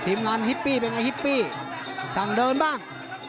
ทีมงานฮิปปี้เป็นไงฮิปปี้สั่งเดินบ้าง